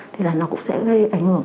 thì là nó cũng sẽ gây ảnh hưởng